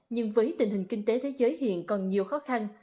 nhưng với tình hình kinh tế thế giới hiện còn nhiều khó khăn